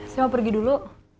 siapa pergi dulu